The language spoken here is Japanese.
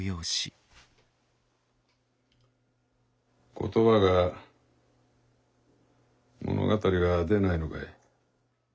言葉が物語が出ないのかい。